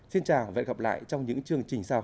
xin chào và hẹn gặp lại trong những chương trình sau